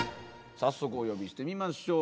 早速お呼びしてみましょう。